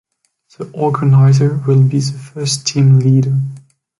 The organizer will be the first team leader.